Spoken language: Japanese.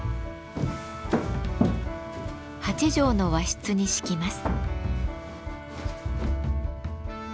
８畳の和室に敷きます。